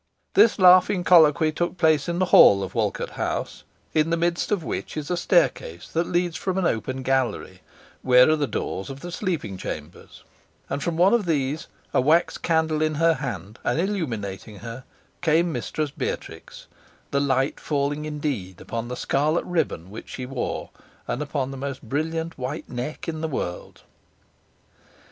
This laughing colloquy took place in the hall of Walcote House: in the midst of which is a staircase that leads from an open gallery, where are the doors of the sleeping chambers: and from one of these, a wax candle in her hand, and illuminating her, came Mistress Beatrix the light falling indeed upon the scarlet ribbon which she wore, and upon the most brilliant white neck in the world.